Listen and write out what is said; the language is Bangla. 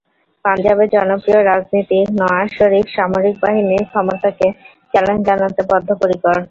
পাঞ্জাবের জনপ্রিয় রাজনীতিক নওয়াজ শরিফ সামরিক বাহিনীর ক্ষমতাকে চ্যালেঞ্জ জানাতে বদ্ধপরিকর।